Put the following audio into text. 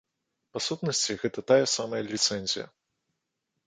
Па сутнасці, гэта тая самая ліцэнзія.